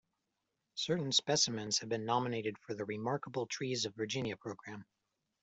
Certain specimens have been nominated for the "Remarkable Trees of Virginia" program.